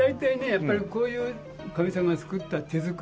やっぱりこういうかみさんが作った手作り。